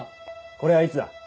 これはいつだ？